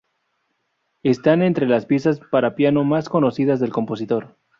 Están entre las piezas para piano más conocidas del compositor.